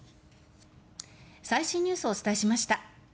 最新ニュースをお伝えしました。